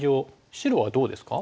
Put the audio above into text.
白はどうですか？